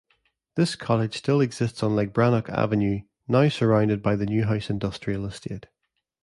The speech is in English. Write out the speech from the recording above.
This cottage still exists on Legbrannock Avenue, now surrounded by the Newhouse Industrial Estate.